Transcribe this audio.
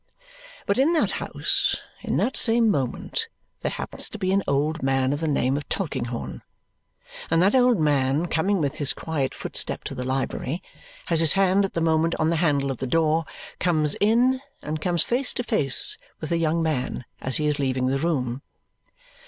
But in that house, in that same moment, there happens to be an old man of the name of Tulkinghorn. And that old man, coming with his quiet footstep to the library, has his hand at that moment on the handle of the door comes in and comes face to face with the young man as he is leaving the room.